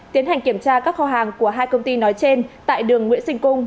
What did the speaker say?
tiến hành kiểm tra các kho hàng của hai công ty nói trên tại đường nguyễn sinh cung